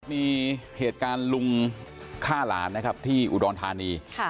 มีเหตุการณ์ลุงฆ่าหลานนะครับที่อุดรธานี